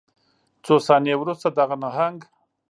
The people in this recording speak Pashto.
څو ثانیې وروسته دغه نهنګ